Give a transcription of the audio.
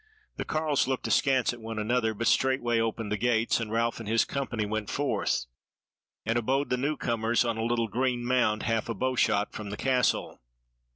The carles looked askance at one another, but straightway opened the gates, and Ralph and his company went forth, and abode the new comers on a little green mound half a bowshot from the Castle.